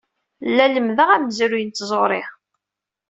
La lemdeɣ amezruy n tẓuri.